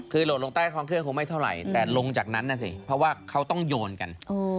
คือโหลดลงใต้ท้องเครื่องคงไม่เท่าไหร่แต่ลงจากนั้นน่ะสิเพราะว่าเขาต้องโยนกัน